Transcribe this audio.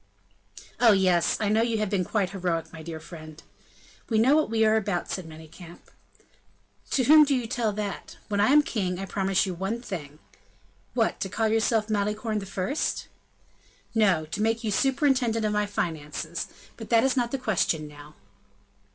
"Oh! yes, I know you have been quite heroic, my dear friend." "We know what we are about," said Manicamp. "To whom do you tell that? When I am king, I promise you one thing." "What? To call yourself Malicorne the First?" "No; to make you superintendent of my finances; but that is not the question now."